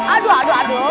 aduh aduh aduh